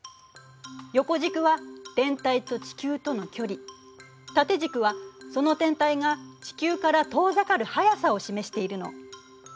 横軸は天体と地球との距離縦軸はその天体が地球から遠ざかる速さを示しているの。